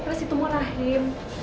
saya mau kasih itu murahin